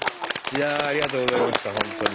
いやあありがとうございました本当に。